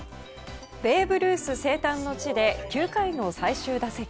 ベーブ・ルース生誕の地で９回の最終打席。